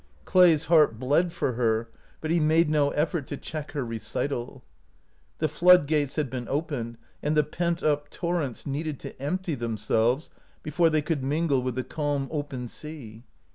Clay's heart bled for her, but he made no effort to check her recital. The flood gates had been opened, and the pent up torrents needed to empty themselves before they could mingle with the calm, open sea.